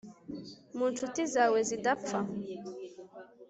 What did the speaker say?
Mu nshuti zawe zidapfa